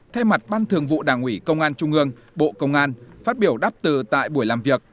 thay mặt ban thường vụ đảng ủy công an trung ương bộ công an phát biểu đáp từ tại buổi làm việc